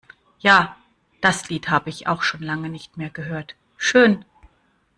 Ja, das Lied habe ich auch schon lange nicht mehr gehört. Schön!